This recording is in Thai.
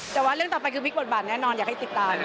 แต่ว่าเรื่องต่อไปคือพลิกบทบาทแน่นอนอยากให้ติดตาม